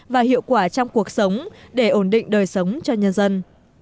và hiệu quả trong cuộc sống để ổn định đời sống cho nhân dân